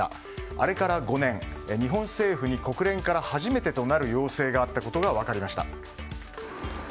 あれから５年日本政府に国連から初めてとなる要請があったことが分かりました。